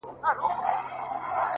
سم لكه ماهى يو سمندر تر ملا تړلى يم!!